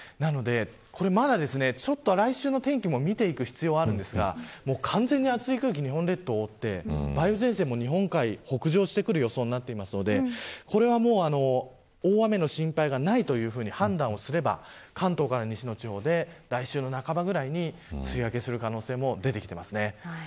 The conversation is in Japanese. まだ来週の天気も見ていく必要はありますが完全に暑い空気が日本列島を覆って、梅雨前線も日本海を北上してくる予想になっていますのでこれは大雨の心配がないというふうに判断すれば関東から西の地方で来週の半ばぐらいに梅雨明けする可能性も出てきています。